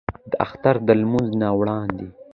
د اختر د لمونځ نه وړاندې